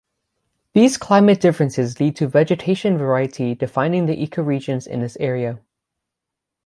These climate differences lead to vegetation variety defining the ecoregions in this area.